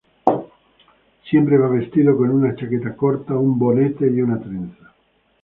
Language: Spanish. Siempre va vestido con una chaqueta corta, un bonete y una trenza.